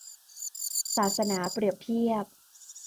ศาสนาเปรียบเทียบ